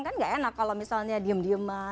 kan enggak enak kalau misalnya diem diem aja